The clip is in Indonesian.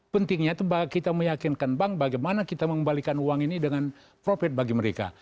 pentingnya itu kita meyakinkan bank bagaimana kita mengembalikan uang ini dengan profit bagi mereka